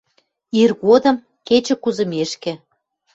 «Иргодым, кечӹ кузымешкӹ